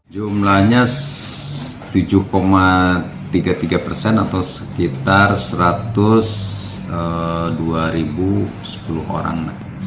jumlahnya tujuh tiga puluh tiga persen atau sekitar satu ratus dua sepuluh orang